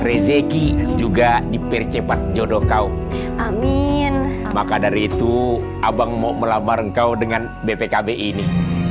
rezeki juga dipercepat jodoh kau angin maka dari itu abang mau melamar engkau dengan bpkb ini